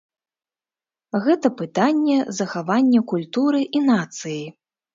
Гэта пытанне захавання культуры і нацыі.